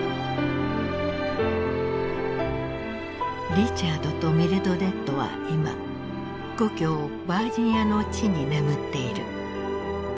リチャードとミルドレッドは今故郷バージニアの地に眠っている。